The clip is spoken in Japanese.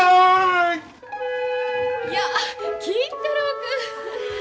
いや金太郎君。